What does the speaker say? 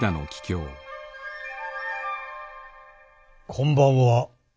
こんばんは。